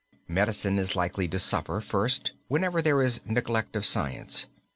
Medicine is likely to suffer, first, whenever there is neglect of science.